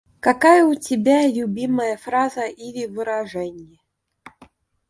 Какая у тебя любимая фраза или выражение?